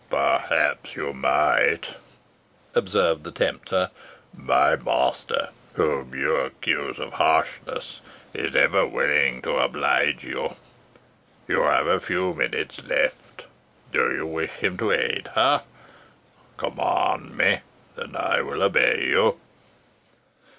"Perhaps you might," observed the tempter. "My master, whom you accuse of harshness, is ever willing to oblige you. You have a few minutes left do you wish him to aid her? Command me, and I will obey you."